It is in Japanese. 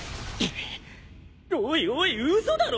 おいおい嘘だろ！？